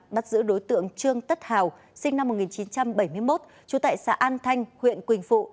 bắt giữ đối tượng trương tất hào sinh năm một nghìn chín trăm bảy mươi một trú tại xã an thanh huyện quỳnh phụ